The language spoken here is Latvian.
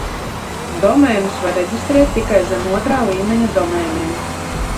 Domēnus var reģistrēt tikai zem otrā līmeņa domēniem.